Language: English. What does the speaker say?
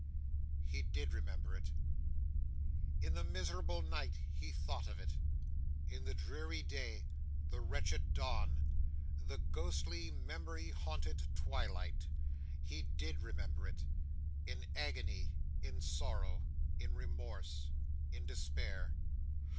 He did remember it. In the miserable night he thought of it; in the dreary day, the wretched dawn, the ghostly, memory haunted twilight. He did remember it. In agony, in sorrow, in remorse, in despair!